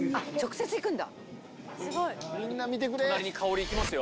隣に香りいきますよ。